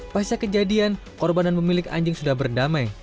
pasca kejadian korban dan pemilik anjing sudah berdamai